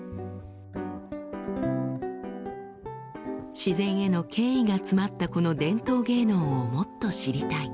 「自然への敬意が詰まったこの伝統芸能をもっと知りたい」。